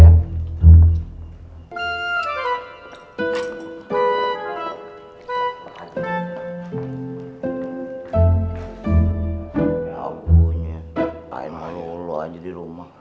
ya ampun ya main malu malu aja di rumah